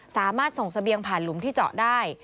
สามารถส่งเสบียงผ่านหลุมที่เจาะได้